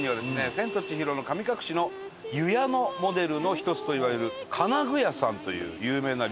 『千と千尋の神隠し』の湯屋のモデルの一つといわれる金具屋さんという有名な旅館があると。